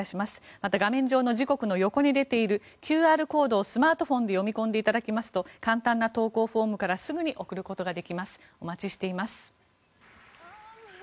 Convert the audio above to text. また、画面上の時刻の横に出ているＱＲコードをスマートフォンで読み込んでいただきますと簡単な投稿フォームからすぐに送ることができます。